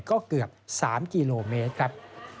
ก็เกือบ๓กิโลเมตรครับ